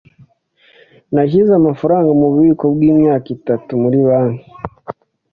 Nashyize amafaranga mububiko bwimyaka itatu muri banki.